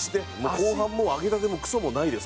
後半揚げたてもクソもないです